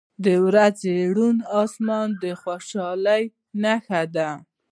• د ورځې روڼ آسمان د خوشحالۍ نښه ده.